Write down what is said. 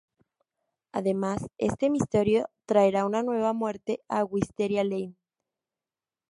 Además este misterio traerá una nueva muerte a Wisteria Lane.